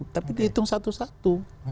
tapi dihitung satu satu